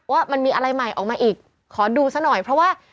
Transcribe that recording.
ว่ามันมีอะไรใหม่ออกมาอีกขอดูซะหน่อยเพราะว่า